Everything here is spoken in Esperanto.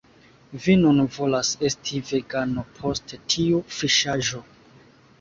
Vi nun volas esti vegano post tiu fiŝaĵo